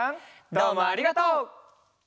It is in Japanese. どうもありがとう！